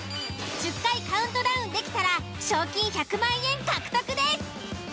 １０回カウントダウンできたら賞金１００万円獲得です。